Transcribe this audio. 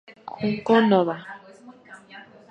Junko Noda